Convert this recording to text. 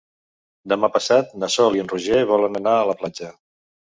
Demà passat na Sol i en Roger volen anar a la platja.